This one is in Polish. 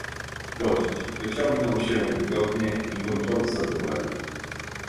"Gość wyciągnął się wygodnie i mruczał z zadowolenia."